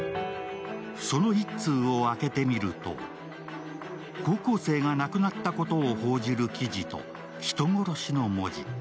その１通を開けてみると、高校生が亡くなったことを報じる記事と「人殺し」の文字。